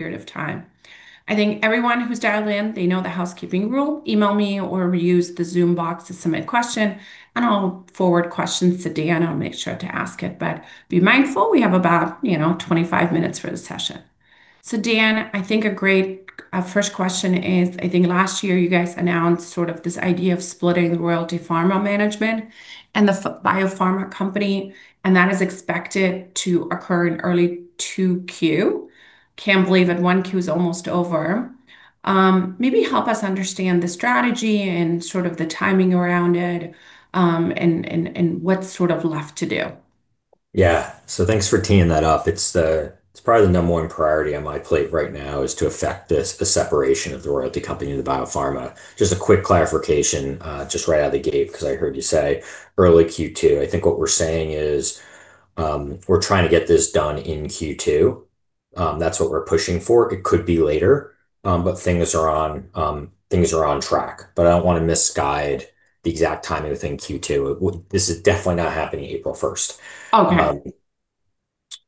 Period of time. I think everyone who's dialed in, they know the housekeeping rule. Email me or we use the Zoom box to submit question, and I'll forward questions to Dan, I'll make sure to ask it. But be mindful, we have about, you know, 25 minutes for this session. So Dan, I think a great first question is, I think last year you guys announced sort of this idea of splitting the royalty pharma management and the ex-biopharma company, and that is expected to occur in early 2Q. Can't believe that 1Q is almost over. Maybe help us understand the strategy and sort of the timing around it, and what's sort of left to do. Yeah. So thanks for teeing that up. It's probably the number one priority on my plate right now, is to effect this, the separation of the royalty company and the biopharma. Just a quick clarification, just right out of the gate, 'cause I heard you say early Q2. I think what we're saying is, we're trying to get this done in Q2. That's what we're pushing for. It could be later, but things are on track, but I don't want to misguide the exact timing within Q2. This is definitely not happening April 1st. Okay.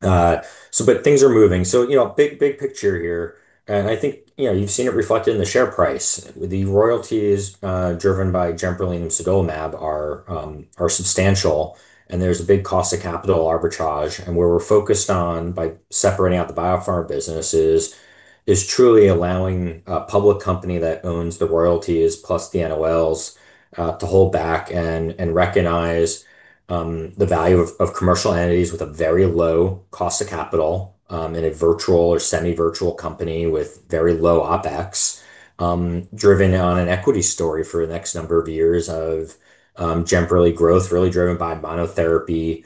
But things are moving. You know, big, big picture here, and I think, you know, you've seen it reflected in the share price. The royalties driven by Jemperli and Imsidolimab are substantial, and there's a big cost to capital arbitrage. And where we're focused on by separating out the biopharma businesses is truly allowing a public company that owns the royalties plus the NOLs to hold back and recognize the value of commercial entities with a very low cost of capital in a virtual or semi-virtual company with very low OpEx driven on an equity story for the next number of years of Jemperli growth, really driven by monotherapy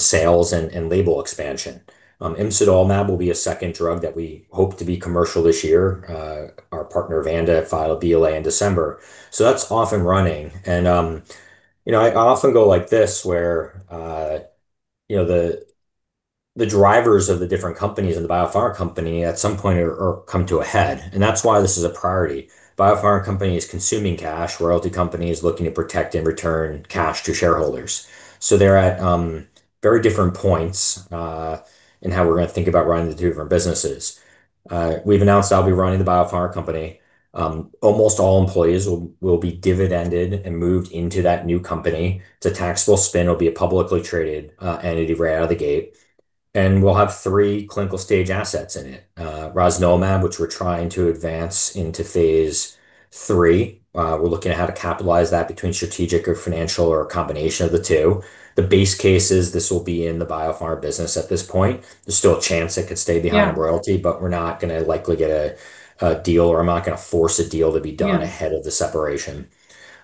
sales and label expansion. Imsidolimab will be a second drug that we hope to be commercial this year. Our partner, Vanda, filed a BLA in December. So that's off and running, and, you know, I often go like this, where, you know, the drivers of the different companies in the biopharma company at some point come to a head, and that's why this is a priority. Biopharma company is consuming cash, royalty company is looking to protect and return cash to shareholders. So they're at very different points in how we're gonna think about running the two different businesses. We've announced I'll be running the biopharma company. Almost all employees will be dividended and moved into that new company. It's a taxable spin. It'll be a publicly traded entity right out of the gate, and we'll have three clinical stage assets in it. Rosnilimab, which we're trying to advance into phase III. We're looking at how to capitalize that between strategic or financial or a combination of the two. The base case is this will be in the biopharma business at this point. There's still a chance it could stay behind royalty, but we're not gonna likely get a deal, or I'm not gonna force a deal to be done ahead of the separation.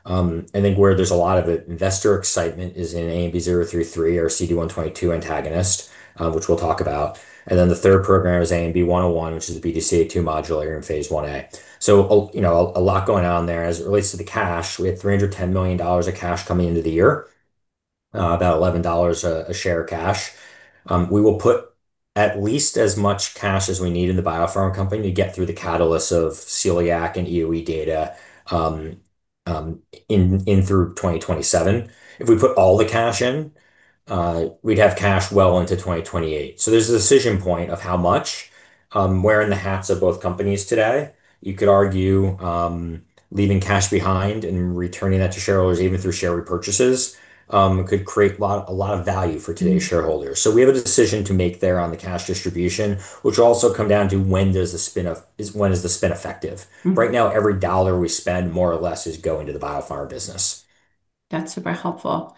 And then where there's a lot of investor excitement is in ANB033 or CD122 antagonist, which we'll talk about. And then the third program is ANB101, which is a BDCA2 modulator in phase I-A. So, you know, a lot going on there. As it relates to the cash, we had $310 million of cash coming into the year, about $11 a share cash. We will put at least as much cash as we need in the biopharma company to get through the catalyst of celiac and EoE data, in through 2027. If we put all the cash in, we'd have cash well into 2028. So there's a decision point of how much, wearing the hats of both companies today, you could argue, leaving cash behind and returning that to shareholders, even through share repurchases, could create a lot of value for today's shareholders. So we have a decision to make there on the cash distribution, which will also come down to when does the spin of... when is the spin effective? Right now, every dollar we spend, more or less, is going to the biopharma business. That's super helpful.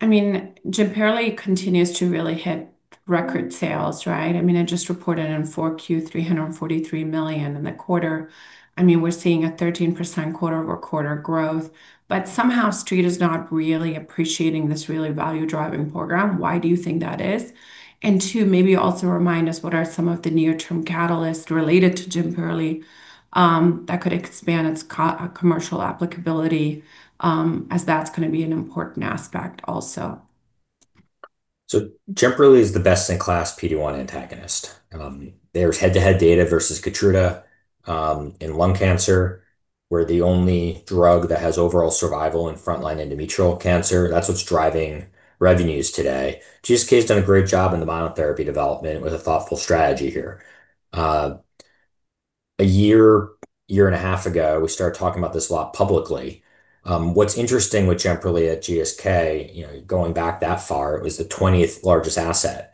I mean, Jemperli continues to really hit record sales, right? I mean, it just reported in Q4, $343 million in the quarter. I mean, we're seeing a 13% quarter-over-quarter growth, but somehow Street is not really appreciating this really value-driving program. Why do you think that is? And two, maybe also remind us, what are some of the near-term catalysts related to Jemperli that could expand its co-commercial applicability, as that's gonna be an important aspect also. So Jemperli is the best-in-class PD-1 antagonist. There's head-to-head data versus Keytruda, in lung cancer. We're the only drug that has overall survival in frontline endometrial cancer. That's what's driving revenues today. GSK has done a great job in the monotherapy development with a thoughtful strategy here. A year, year and a half ago, we started talking about this a lot publicly. What's interesting with Jemperli at GSK, you know, going back that far, it was the 20th largest asset.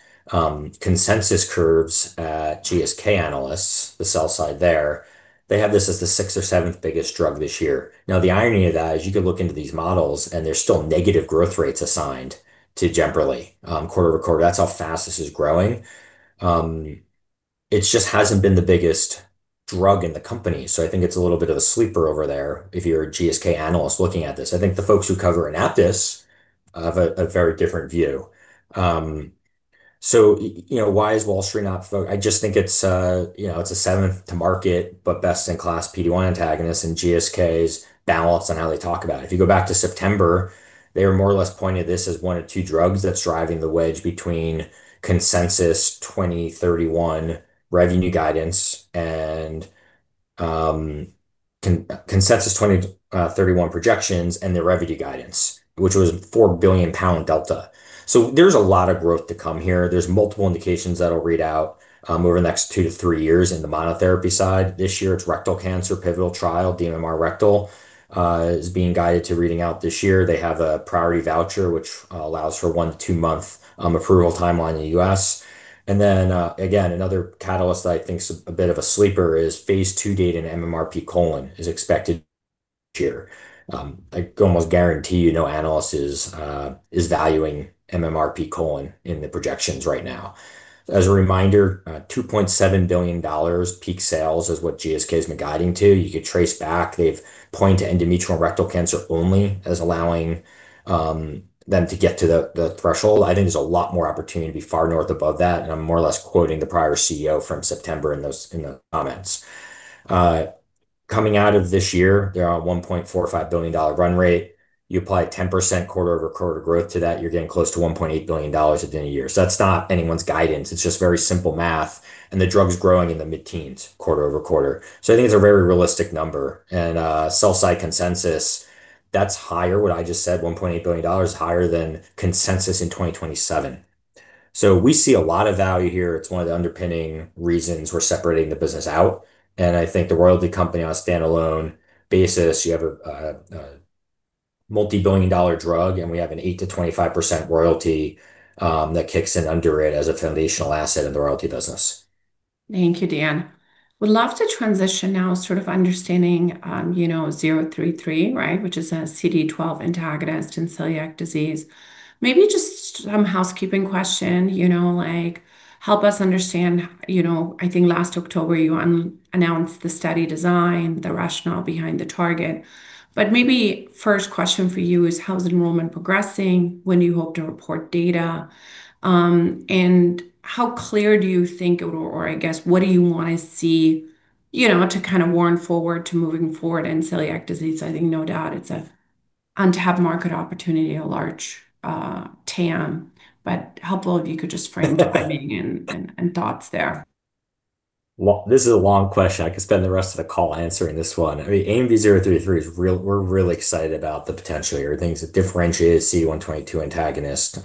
Consensus curves at GSK analysts, the sell side there, they have this as the sixth or seventh biggest drug this year. Now, the irony of that is you can look into these models, and there's still negative growth rates assigned to Jemperli, quarter over quarter. That's how fast this is growing. It just hasn't been the biggest drug in the company, so I think it's a little bit of a sleeper over there if you're a GSK analyst looking at this. I think the folks who cover Anaptys have a very different view. So you know, why is Wall Street not. I just think it's, you know, it's a seventh-to-market, but best-in-class PD-1 antagonist, and GSK's balance on how they talk about it. If you go back to September, they were more or less pointed this as one of two drugs that's driving the wedge between consensus 2031 revenue guidance and consensus 2031 projections and their revenue guidance, which was a 4 billion pound delta. So there's a lot of growth to come here. There's multiple indications that'll read out over the next two to three years in the monotherapy side. This year, it's rectal cancer, pivotal trial, dMMR rectal, is being guided to reading out this year. They have a priority voucher, which allows for one- to two-month approval timeline in the U.S. And then, again, another catalyst I think is a bit of a sleeper is phase II data in MSI-H colon is expected here. I almost guarantee you no analyst is valuing MSI-H colon in the projections right now. As a reminder, $2.7 billion peak sales is what GSK has been guiding to. You could trace back, they've pointed to endometrial and rectal cancer only as allowing them to get to the threshold. I think there's a lot more opportunity to be far north above that, and I'm more or less quoting the prior CEO from September in those, in the comments. Coming out of this year, they're at $1.45 billion run rate. You apply 10% quarter-over-quarter growth to that, you're getting close to $1.8 billion at the end of the year. So that's not anyone's guidance, it's just very simple math, and the drug is growing in the mid-teens, quarter-over-quarter. So I think it's a very realistic number. And, sell-side consensus, that's higher, what I just said, $1.8 billion, higher than consensus in 2027. So we see a lot of value here. It's one of the underpinning reasons we're separating the business out, and I think the royalty company on a standalone basis, you have a multibillion-dollar drug, and we have an 8%-25% royalty that kicks in under it as a foundational asset in the royalty business. Thank you, Dan. Would love to transition now, sort of understanding, you know, ANB033, right, which is a CD122 antagonist in celiac disease. Maybe just some housekeeping question, you know, like, help us understand, you know, I think last October you announced the study design, the rationale behind the target. But maybe first question for you is, how's enrollment progressing, when do you hope to report data, and how clear do you think, or I guess, what do you want to see, you know, to kind of warrant forward to moving forward in celiac disease? I think no doubt it's an untapped market opportunity, a large TAM, but helpful if you could just frame the timing and thoughts there. Well, this is a long question. I could spend the rest of the call answering this one. I mean, ANB033 is real. We're really excited about the potential here. I think it's a differentiated CD122 antagonist,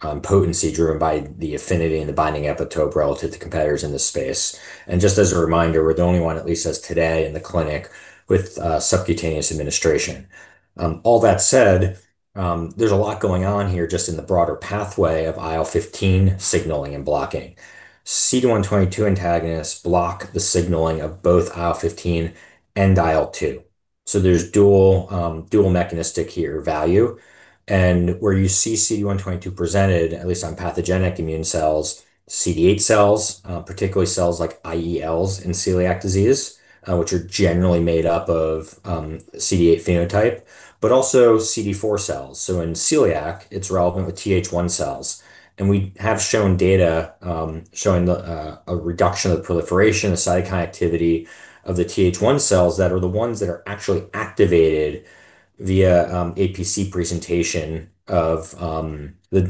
potency driven by the affinity and the binding epitope relative to competitors in this space. And just as a reminder, we're the only one, at least as today, in the clinic with subcutaneous administration. All that said, there's a lot going on here just in the broader pathway of IL-15 signaling and blocking. CD122 antagonists block the signaling of both IL-15 and IL-2. So there's dual, dual mechanistic here, value, and where you see CD122 presented, at least on pathogenic immune cells, CD8 cells, particularly cells like IELs in celiac disease, which are generally made up of, CD8 phenotype, but also CD4 cells. So in celiac, it's relevant with TH1 cells, and we have shown data, showing a reduction of the proliferation, the cytokine activity of the TH1 cells that are the ones that are actually activated via, APC presentation of, the,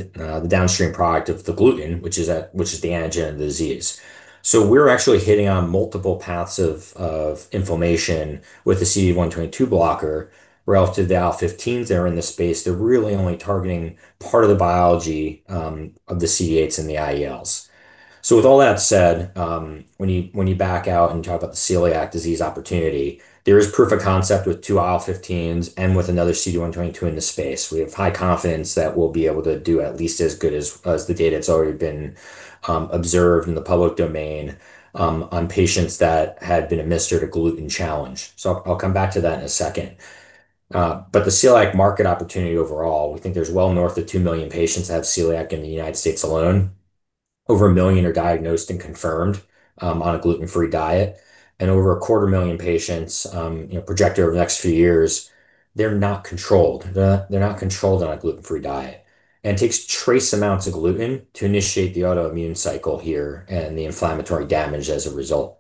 the downstream product of the gluten, which is the antigen of the disease. So we're actually hitting on multiple paths of inflammation with the CD122 blocker relative to the IL-15s that are in the space. They're really only targeting part of the biology, of the CD8s and the IELs. So with all that said, when you, when you back out and talk about the celiac disease opportunity, there is proof of concept with two IL-15s and with another CD122 in the space. We have high confidence that we'll be able to do at least as good as, as the data that's already been observed in the public domain on patients that had been administered a gluten challenge. So I'll come back to that in a second. But the celiac market opportunity overall, we think there's well north of 2 million patients that have celiac in the United States alone. Over 1 million are diagnosed and confirmed on a gluten-free diet, and over 250,000 patients, you know, projected over the next few years, they're not controlled. They're, they're not controlled on a gluten-free diet. It takes trace amounts of gluten to initiate the autoimmune cycle here and the inflammatory damage as a result.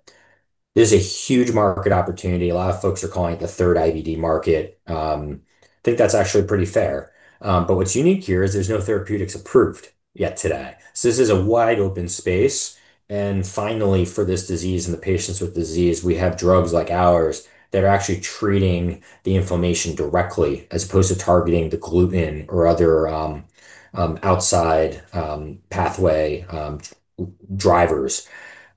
There's a huge market opportunity. A lot of folks are calling it the third IBD market. I think that's actually pretty fair. But what's unique here is there's no therapeutics approved yet today. This is a wide-open space, and finally, for this disease and the patients with disease, we have drugs like ours that are actually treating the inflammation directly, as opposed to targeting the gluten or other outside pathway drivers.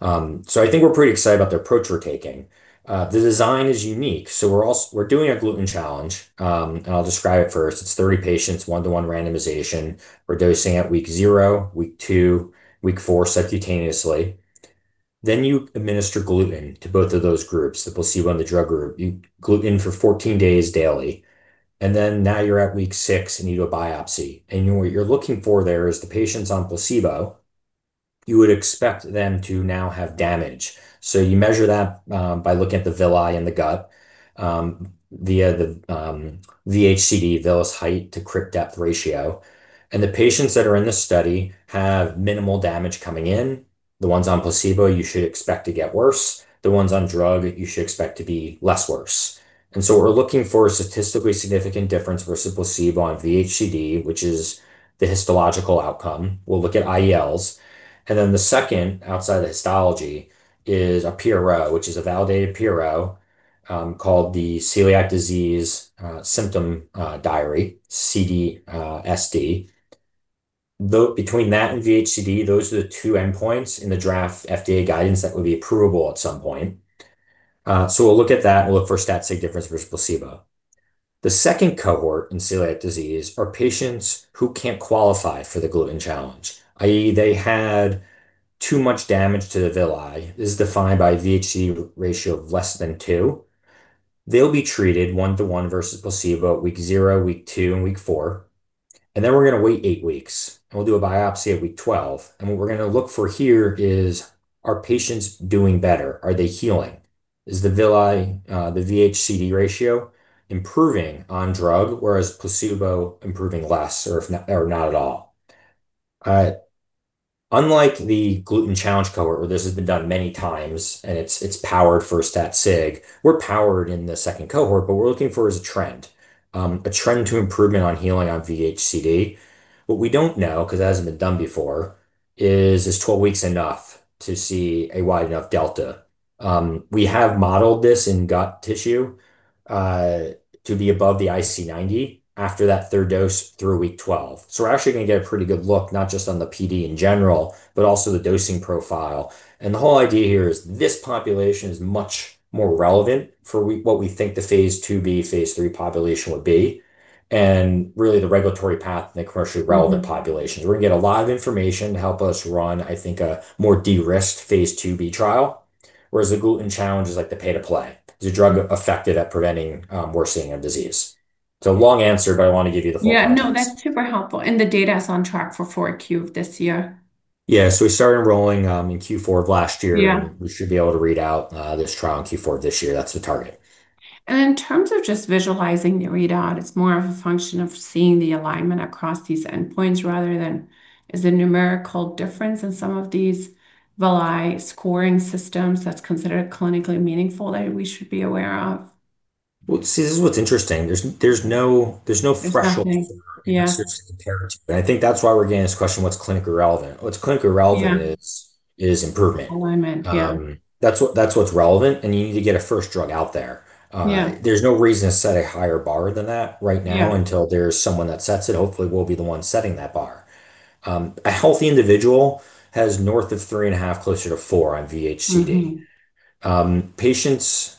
So I think we're pretty excited about the approach we're taking. The design is unique. We're doing a gluten challenge, and I'll describe it first. It's 30 patients, 1-to-1 randomization. We're dosing at week 0, week 2, week 4, subcutaneously. Then you administer gluten to both of those groups, the placebo and the drug group. Gluten for 14 days daily, and then now you're at week 6, and you do a biopsy. What you're looking for there is the patients on placebo, you would expect them to now have damage. So you measure that by looking at the villi in the gut via the VHCD, villous height-to-crypt depth ratio. The patients that are in the study have minimal damage coming in. The ones on placebo, you should expect to get worse. The ones on drug, you should expect to be less worse. And so we're looking for a statistically significant difference versus placebo on VHCD, which is the histological outcome. We'll look at IELs, and then the second, outside the histology, is a PRO, which is a validated PRO, called the Celiac Disease Symptom Diary, CD-SD. Though between that and VHCD, those are the two endpoints in the draft FDA guidance that would be approvable at some point. So we'll look at that, and we'll look for stat sig difference versus placebo. The second cohort in celiac disease are patients who can't qualify for the gluten challenge, i.e., they had too much damage to the villi. This is defined by VHCD ratio of less than two. They'll be treated one to one versus placebo, week zero, week two, and week four, and then we're going to wait eight weeks, and we'll do a biopsy at week 12. And what we're going to look for here is: are patients doing better? Are they healing? Is the villi, the VHCD ratio improving on drug, whereas placebo improving less or if not, or not at all? Unlike the gluten challenge cohort, where this has been done many times, and it's, it's powered for a stat sig, we're powered in the second cohort, but we're looking for is a trend, a trend to improvement on healing on VHCD. What we don't know, because it hasn't been done before, is, is 12 weeks enough to see a wide enough delta? We have modeled this in gut tissue, to be above the IC90 after that third dose through week 12. So we're actually going to get a pretty good look, not just on the PD in general, but also the dosing profile. The whole idea here is this population is much more relevant for what we think the phase II-B, phase III population would be, and really the regulatory path in the commercially relevant populations. We're going to get a lot of information to help us run, I think, a more de-risked phase II-B trial, whereas the gluten challenge is like the pay to play. Is the drug effective at preventing worsening of disease? It's a long answer, but I want to give you the full picture. Yeah, no, that's super helpful, and the data is on track for Q4 of this year. Yeah. So we started enrolling in Q4 of last year. Yeah. We should be able to read out this trial in Q4 this year. That's the target. In terms of just visualizing the readout, it's more of a function of seeing the alignment across these endpoints rather than, is the numerical difference in some of these villi scoring systems that's considered clinically meaningful, that we should be aware of? Well, see, this is what's interesting. There's no threshold. Exactly, yeah. I think that's why we're getting this question, what's clinically relevant? What's clinically relevant? is improvement. Alignment. Yeah. That's what's relevant, and you need to get a first drug out there. Yeah. There's no reason to set a higher bar than that right now until there's someone that sets it. Hopefully, we'll be the one setting that bar. A healthy individual has north of 3.5, closer to 4 on VHCD. Patients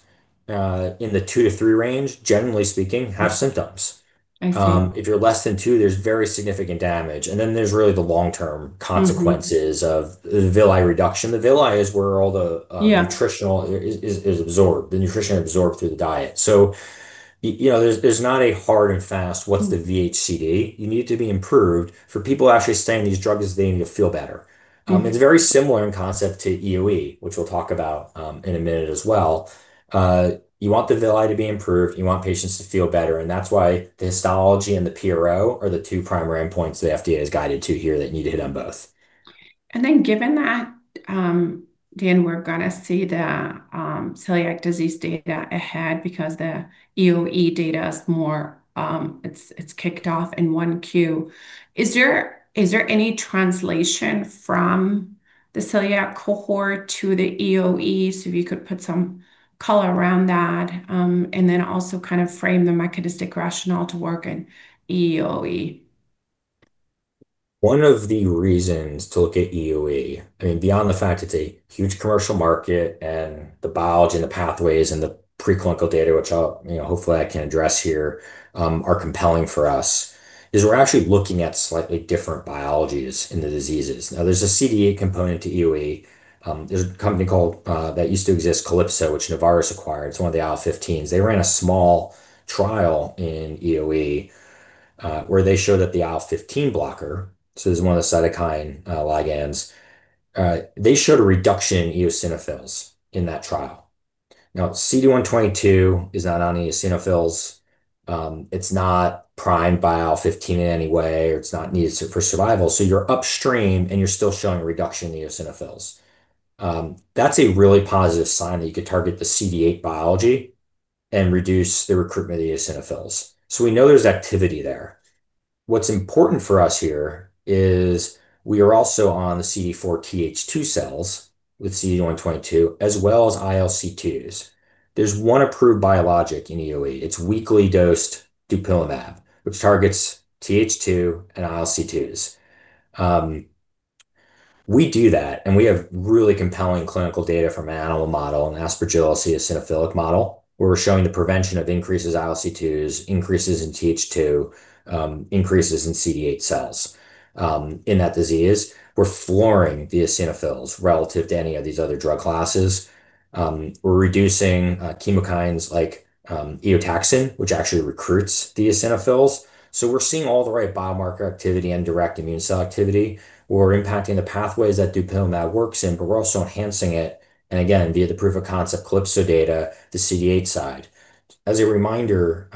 in the 2-3 range, generally speaking, have symptoms. I see. If you're less than two, there's very significant damage, and then there's really the long-term consequences of the villi reduction. The villi is where all the, nutrition is absorbed, the nutrition absorbed through the diet. So you know, there's not a hard and fast, "What's the VHCD?" You need to be improved. For people actually saying these drugs, they need to feel better. It's very similar in concept to EoE, which we'll talk about, in a minute as well. You want the villi to be improved, you want patients to feel better, and that's why the histology and the PRO are the two primary endpoints the FDA has guided to here that you need to hit on both. Then given that, Dan, we're gonna see the celiac disease data ahead because the EoE data is more, it's kicked off in 1Q. Is there any translation from the celiac cohort to the EoE? So if you could put some color around that, and then also kind of frame the mechanistic rationale to work in EoE. One of the reasons to look at EoE, I mean, beyond the fact it's a huge commercial market, and the biology and the pathways and the preclinical data, which I'll, you know, hopefully I can address here, are compelling for us, is we're actually looking at slightly different biologies in the diseases. Now, there's a CD8 component to EoE. There's a company called that used to exist, Calypso, which Novartis acquired. It's one of the IL-15s. They ran a small trial in EoE, where they showed that the IL-15 blocker, so this is one of the cytokine ligands, they showed a reduction in eosinophils in that trial. Now, CD122 is not on the eosinophils, it's not primed by IL-15 in any way, or it's not needed for survival, so you're upstream, and you're still showing a reduction in eosinophils. That's a really positive sign that you could target the CD8 biology and reduce the recruitment of the eosinophils. So we know there's activity there. What's important for us here is we are also on the CD4 TH2 cells with CD122, as well as ILC2s. There's one approved biologic in EoE. It's weekly dosed dupilumab, which targets TH2 and ILC2s. We do that, and we have really compelling clinical data from an animal model, an Aspergillus eosinophilic model, where we're showing the prevention of increases in ILC2s, increases in TH2, increases in CD8 cells, in that disease. We're flooring the eosinophils relative to any of these other drug classes. We're reducing chemokines like eotaxin, which actually recruits the eosinophils. So we're seeing all the right biomarker activity and direct immune cell activity. We're impacting the pathways that dupilumab works in, but we're also enhancing it, and again, via the proof of concept, Calypso data, the CD8 side. As a reminder,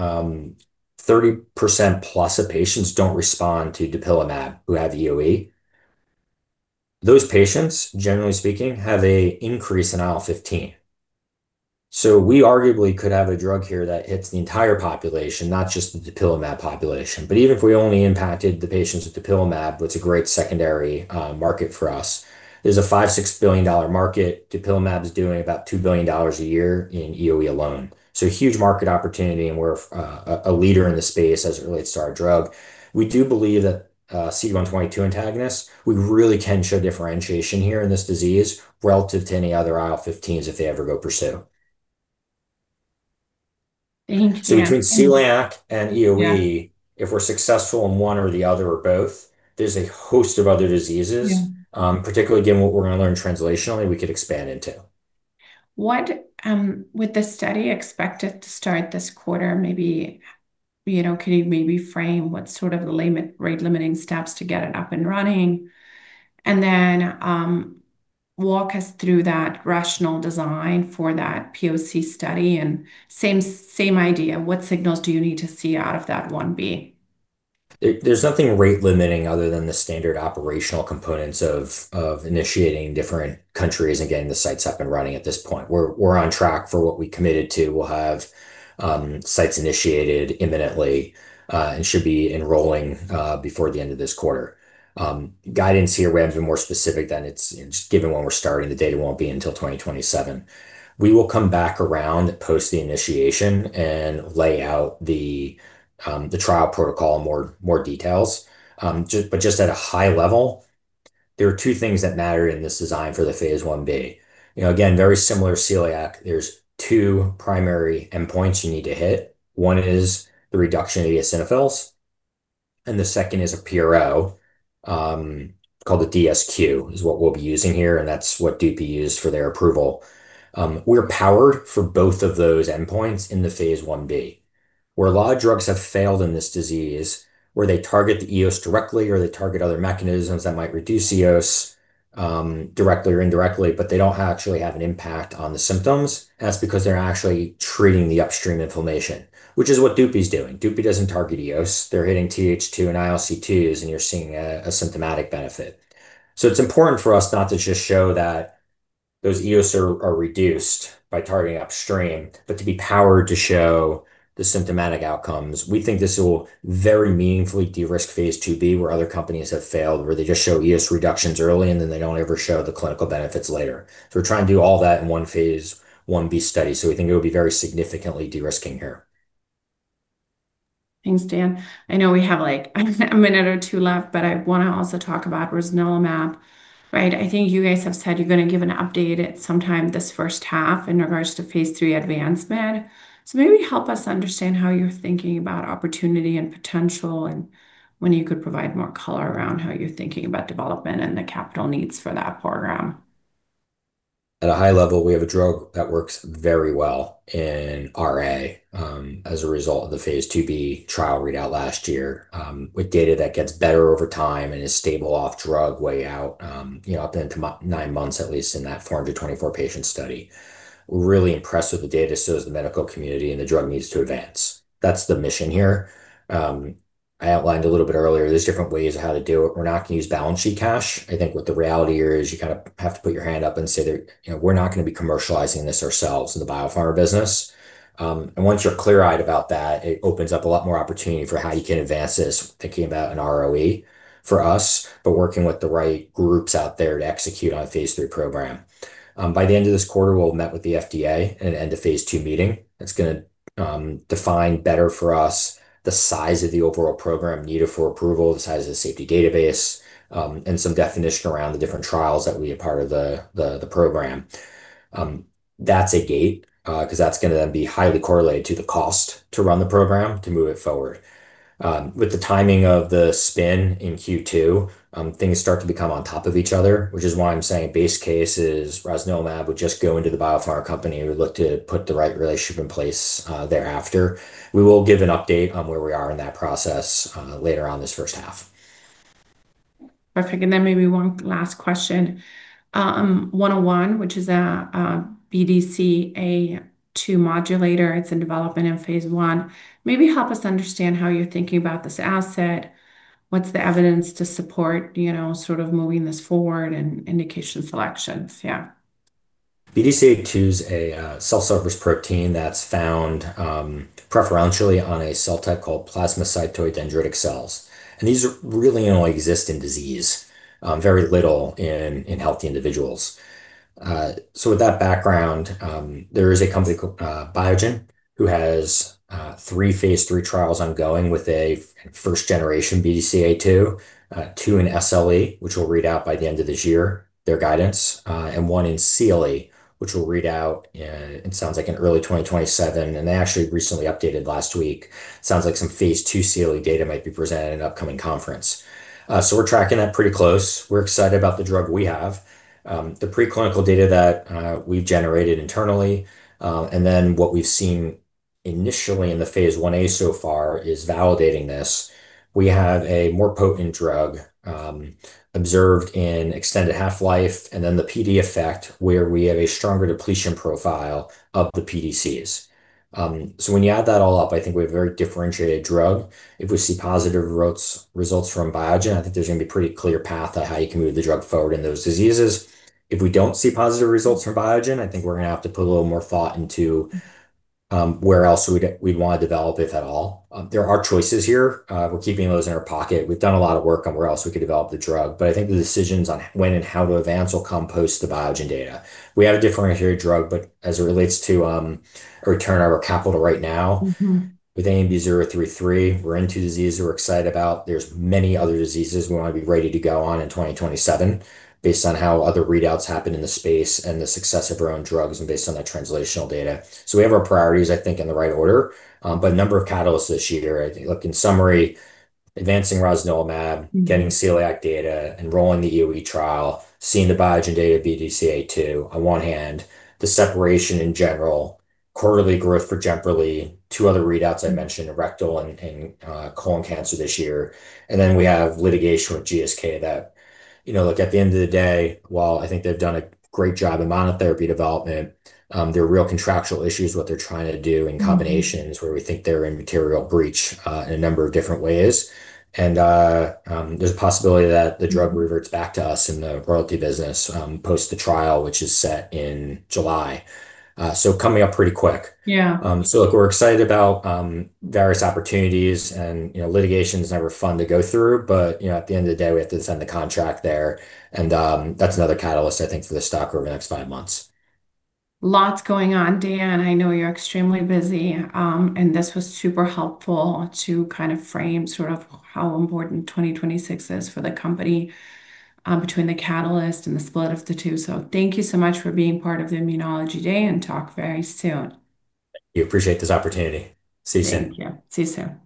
30%+ of patients don't respond to dupilumab who have EoE. Those patients, generally speaking, have an increase in IL-15. So we arguably could have a drug here that hits the entire population, not just the dupilumab population. But even if we only impacted the patients with dupilumab, that's a great secondary market for us. There's a $5-$6 billion market. Dupilumab is doing about $2 billion a year in EoE alone. So huge market opportunity, and we're a leader in this space as it relates to our drug. We do believe that CD122 antagonists, we really can show differentiation here in this disease relative to any other IL-15s, if they ever go pursue. Thanks, Dan- So between celiac and EoE if we're successful in one or the other or both, there's a host of other diseases particularly, again, what we're going to learn translationally, we could expand into. What with the study expected to start this quarter, maybe, you know, can you maybe frame what sort of the rate-limiting steps to get it up and running? And then, walk us through that rational design for that POC study, and same idea, what signals do you need to see out of that one B? There's nothing rate limiting other than the standard operational components of initiating different countries and getting the sites up and running at this point. We're on track for what we committed to. We'll have sites initiated imminently, and should be enrolling before the end of this quarter. Guidance here, we have to be more specific than it's just given when we're starting, the data won't be until 2027. We will come back around post the initiation and lay out the trial protocol in more details. But just at a high level, there are two things that matter in this design for the phase I-B. You know, again, very similar to celiac, there's two primary endpoints you need to hit. One is the reduction in eosinophils, and the second is a PRO called the DSQ, which is what we'll be using here, and that's what dupilumab used for their approval. We're powered for both of those endpoints in the phase I-B, where a lot of drugs have failed in this disease, where they target the eos directly, or they target other mechanisms that might reduce eos directly or indirectly, but they don't actually have an impact on the symptoms. And that's because they're actually treating the upstream inflammation, which is what dupilumab is doing. Dupilumab doesn't target eos. They're hitting TH2 and ILC2s, and you're seeing a symptomatic benefit. So it's important for us not to just show that those eos are reduced by targeting upstream, but to be powered to show the symptomatic outcomes. We think this will very meaningfully de-risk phase II-B, where other companies have failed, where they just show eos reductions early, and then they don't ever show the clinical benefits later. So we're trying to do all that in one phase I-B study, so we think it will be very significantly de-risking here. Thanks, Dan. I know we have, like, a minute or two left, but I want to also talk about rosnilimab, right? I think you guys have said you're going to give an update at some time this first half in regards to phase III advancement. So maybe help us understand how you're thinking about opportunity and potential, and when you could provide more color around how you're thinking about development and the capital needs for that program. At a high level, we have a drug that works very well in RA, as a result of the phase II-B trial readout last year, with data that gets better over time and is stable off drug way out, you know, up into nine months, at least in that 424-patient study. Really impressed with the data, so is the medical community, and the drug needs to advance. That's the mission here. I outlined a little bit earlier, there's different ways of how to do it. We're not going to use balance sheet cash. I think what the reality here is you kind of have to put your hand up and say that, "You know, we're not going to be commercializing this ourselves in the biopharma business." Once you're clear-eyed about that, it opens up a lot more opportunity for how you can advance this, thinking about an ROE for us, but working with the right groups out there to execute on a phase III program. By the end of this quarter, we'll have met with the FDA and end-of-phase II meeting. It's gonna define better for us the size of the overall program needed for approval, the size of the safety database, and some definition around the different trials that we are part of the program. That's a gate, because that's going to then be highly correlated to the cost to run the program, to move it forward. With the timing of the spin in Q2, things start to become on top of each other, which is why I'm saying base case is rosnilimab would just go into the biopharma company, and we look to put the right relationship in place, thereafter. We will give an update on where we are in that process, later on this first half. Perfect. And then maybe one last question. 101, which is a BDCA2 modulator, it's in development in phase I. Maybe help us understand how you're thinking about this asset. What's the evidence to support, you know, sort of moving this forward and indication selections? Yeah. BDCA2 is a cell surface protein that's found preferentially on a cell type called plasmacytoid dendritic cells. And these are really only exist in disease, very little in healthy individuals. So with that background, there is a company called Biogen, who has three phase III trials ongoing with a first-generation BDCA2 in SLE, which will read out by the end of this year, their guidance, and one in CLE, which will read out, it sounds like in early 2027, and they actually recently updated last week. Sounds like some phase II CLE data might be presented in an upcoming conference. So we're tracking that pretty close. We're excited about the drug we have. The preclinical data that we've generated internally, and then what we've seen initially in the phase I-A so far is validating this. We have a more potent drug, observed in extended half-life, and then the PD effect, where we have a stronger depletion profile of the pDCs. So when you add that all up, I think we have a very differentiated drug. If we see positive results from Biogen, I think there's going to be a pretty clear path on how you can move the drug forward in those diseases. If we don't see positive results from Biogen, I think we're gonna have to put a little more thought into where else we'd want to develop, if at all. There are choices here. We're keeping those in our pocket. We've done a lot of work on where else we could develop the drug, but I think the decisions on when and how to advance will come post the Biogen data. We have a differentiated drug, but as it relates to a return on our capital right now with ANB033, we're into disease we're excited about. There's many other diseases we want to be ready to go on in 2027, based on how other readouts happen in the space and the success of our own drugs and based on that translational data. So we have our priorities, I think, in the right order. But a number of catalysts this year. I think, look, in summary, advancing rosnilimab getting celiac data, enrolling the EoE trial, seeing the Biogen data, BDCA2. On one hand, the separation in general, quarterly growth for Jemperli, two other readouts I mentioned, rectal and colon cancer this year, and then we have litigation with GSK that, you know, look, at the end of the day, while I think they've done a great job in monotherapy development, there are real contractual issues what they're trying to do In combinations, where we think they're in material breach, in a number of different ways. There's a possibility that the drug reverts back to us in the royalty business, post the trial, which is set in July. So coming up pretty quick. So look, we're excited about various opportunities, and, you know, litigation is never fun to go through, but, you know, at the end of the day, we have to defend the contract there, and that's another catalyst, I think, for the stock over the next five months. Lots going on, Dan. I know you're extremely busy, and this was super helpful to kind of frame sort of how important 2026 is for the company, between the catalyst and the split of the two. So thank you so much for being part of the Immunology Day, and talk very soon. Thank you. Appreciate this opportunity. See you soon. Thank you. See you soon.